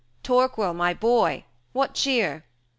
430 Torquil, my boy! what cheer?